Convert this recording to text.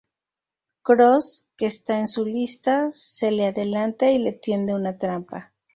Cross, que está en su lista, se le adelanta y le tiende una trampa.